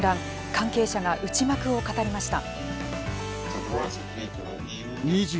関係者が内幕を語りました。